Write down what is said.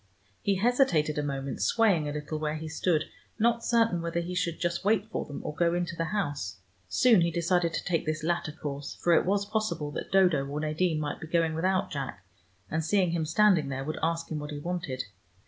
He hesitated a moment, swaying a little where he stood, not certain whether he should just wait for them, or go into the house. Soon he decided to take this latter course, for it was possible that Dodo or Nadine might be going without Jack, and seeing him standing there would ask him what he wanted.